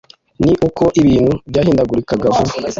ni uko ibintu byahindagurikaga vuba